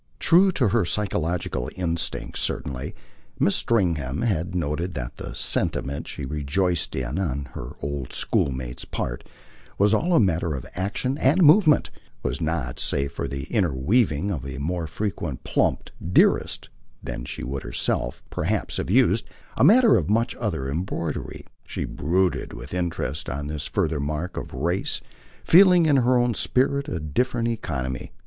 True to her psychological instincts, certainly, Mrs. Stringham had noted that the "sentiment" she rejoiced in on her old schoolmate's part was all a matter of action and movement, was not, save for the interweaving of a more frequent plump "dearest" than she would herself perhaps have used, a matter of much other embroidery. She brooded with interest on this further mark of race, feeling in her own spirit a different economy.